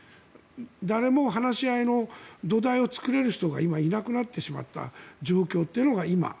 誰も話し合いの土台を作れる人がいなくなってしまったというのが今。